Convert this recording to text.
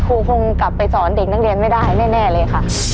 ครูคงกลับไปสอนเด็กนักเรียนไม่ได้แน่เลยค่ะ